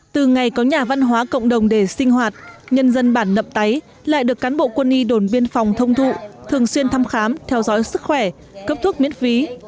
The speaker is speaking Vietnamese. từ ngày có nhà văn hóa cộng đồng để sinh hoạt nhân dân bản nậm táy lại được cán bộ quân y đồn biên phòng thông thụ thường xuyên thăm khám theo dõi sức khỏe cấp thuốc miễn phí